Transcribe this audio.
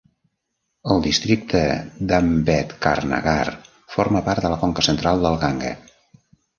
El districte d'Ambedkarnagar forma part de la conca central del Ganga.